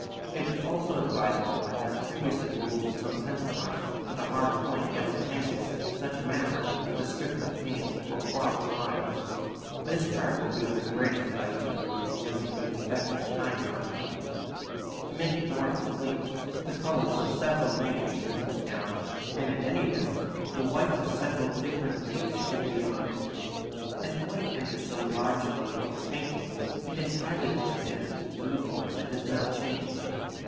It is also advisable to have previously ruled some pencil lines with a hard point down the canvas in such a manner that the strips of paint will cross the lines. This chart will be of the greatest value to you in noting the effect of time on paint. To make it more complete, the colours of several makers should be put down, and at any rate the whites of several different makes should be on it. As white enters so largely into your painting it is highly necessary to use one that does not change.